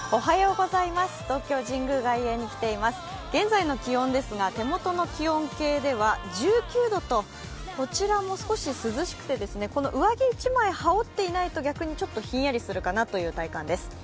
現在の気温ですが手元の気温計では１９度とこちらも少し涼しくて、上着１枚羽織っていないと逆にちょっとひんやりするかなという体感です。